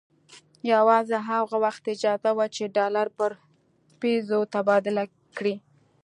یوازې هغه وخت اجازه وه چې ډالر پر پیزو تبادله کړي.